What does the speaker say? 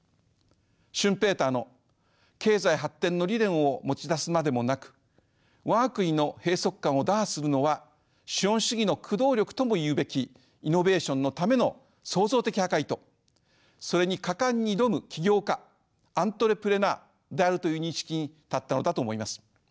シュンペーターの経済発展の理念を持ち出すまでもなく我が国の閉塞感を打破するのは資本主義の駆動力ともいうべきイノベーションのための創造的破壊とそれに果敢に挑む起業家アントレプレナーであるという認識に至ったのだと思います。